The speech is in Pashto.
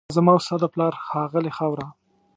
دا زما او ستا د پلار ښاغلې خاوره